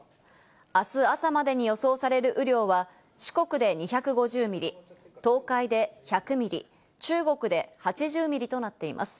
あす朝までに予想される雨量は、四国で２５０ミリ、東海で１００ミリ、中国で８０ミリとなっています。